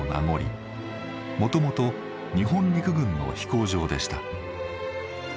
もともと日本陸軍の飛行場でした。